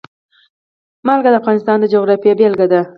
نمک د افغانستان د جغرافیې بېلګه ده.